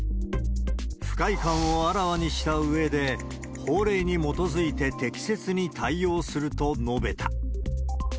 不快感をあらわにしたうえで、法令に基づいて適切に対応すると述べた。